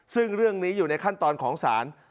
ซึ่งเรื่องนี้อยู่ในขั้นตอนของศาล